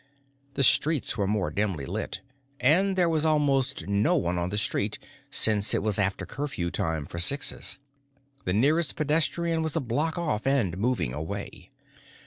The streets were more dimly lit, and there was almost no one on the street, since it was after curfew time for Sixes. The nearest pedestrian was a block off and moving away.